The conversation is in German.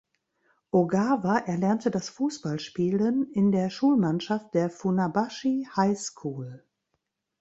Ogawa erlernte das Fußballspielen in der Schulmannschaft der "Funabashi High School".